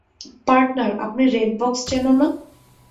Partner, আপনি red box চেনো না?